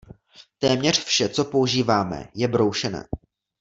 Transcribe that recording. Téměř vše, co používáme, je broušené.